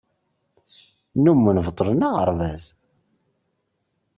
Nnummen beṭṭlen aɣerbaz.